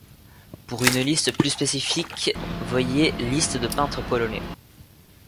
Pour une liste plus spécifique voyez Liste de peintres polonais.